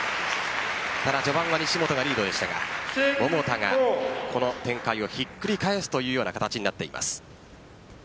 ただ、序盤は西本がリードでしたが桃田がこの展開をひっくり返すという形になっています。